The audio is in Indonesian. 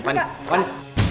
pantes aja kak fanny